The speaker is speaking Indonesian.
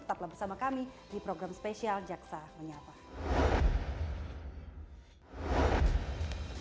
tetaplah bersama kami di program spesial jaksa menyapa